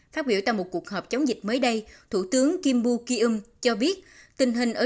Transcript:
phát biểu tại một cuộc họp chống dịch mới đây thủ tướng kim yoo ki cho biết